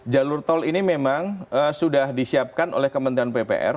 jalur tol ini memang sudah disiapkan oleh kementerian ppr